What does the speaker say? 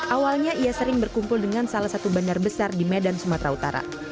awalnya ia sering berkumpul dengan salah satu bandar besar di medan sumatera utara